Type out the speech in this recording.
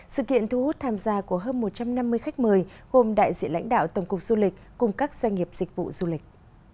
sự kiện thu hút tham gia của hơn một trăm năm mươi khách mời gồm đại diện lãnh đạo tổng cục du lịch cùng các doanh nghiệp dịch vụ du lịch